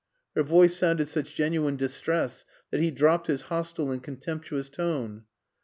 Her voice sounded such genuine distress that he dropped his hostile and contemptuous tone.